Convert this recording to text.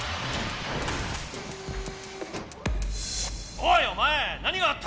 おいおまえ何があった！